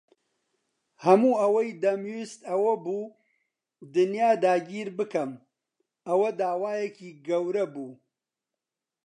هەموو ئەوەی دەمویست ئەوە بوو دنیا داگیر بکەم. ئەوە داوایەکی گەورە بوو؟